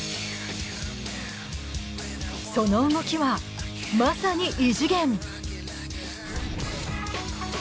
その動きはまさに異次元。